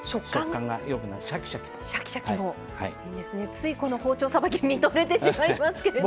ついこの包丁さばき見とれてしまいますけれど。